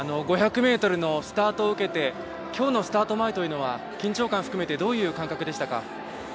５００ｍのスタートを受けて今日のスタート前は緊張感を含めてどういう感覚でしたか？